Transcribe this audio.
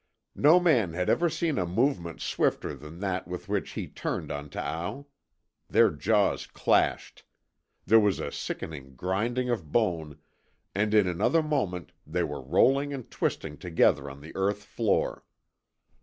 No man had ever seen a movement swifter than that with which he turned on Taao. Their jaws clashed. There was a sickening grinding of bone, and in another moment they were rolling and twisting together on the earth floor.